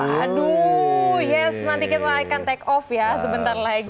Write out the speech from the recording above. aduh yes nanti kita akan take off ya sebentar lagi